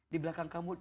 di belakang kamu